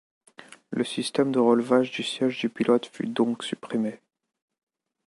Le système de relevage du siège du pilote fut donc supprimé.